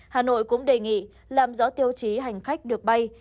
hà nội cũng đề nghị làm rõ tiêu chí hành khách được bay